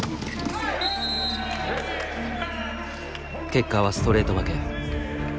結果はストレート負け。